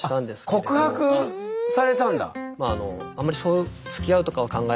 あっ告白されたんだ。